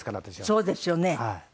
そうですよね。